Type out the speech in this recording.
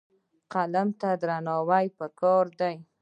قلم ته درناوی پکار دی.